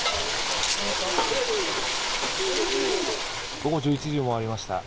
午後１１時を回りました。